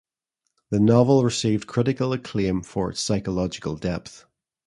The novel received critical acclaim for its psychological depth.